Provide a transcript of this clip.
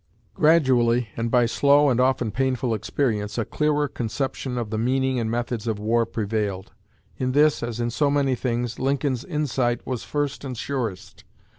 Gradually, and by slow and often painful experience, a clearer conception of the meaning and methods of war prevailed. In this, as in so many things, Lincoln's insight was first and surest.